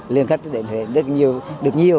liên khách đến huế rất nhiều được nhiều